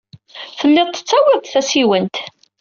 Tellid tettawyed-d tasiwant.